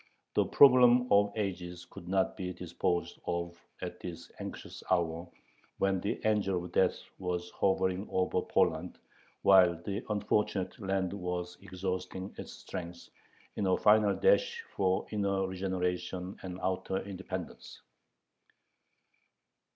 The problem of ages could not be disposed of at this anxious hour when the angel of death was hovering over Poland, while the unfortunate land was exhausting its strength in a final dash for inner regeneration and outer independence.